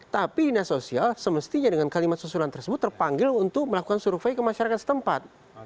tapi dinas sosial semestinya dengan kalimat susulan tersebut terpanggil untuk melakukan survei ke masyarakat setempat